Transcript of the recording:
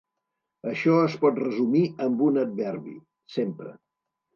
Això es pot resumir amb un adverbi: sempre.